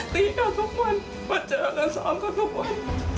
ตีกันทุกวันมาเจอกันสองคนทุกวัน